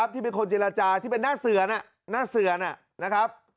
ที่เป็นคนจิลาจาที่เป็นหน้าเสือนนะครับ